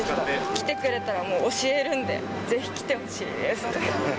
来てくれたらもう教えるんで、ぜひ来てほしいです。